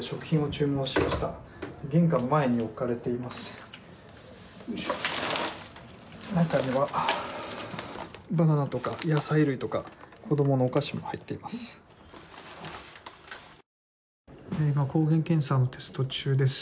中にはバナナとか野菜類とか子供のお菓子も入っています。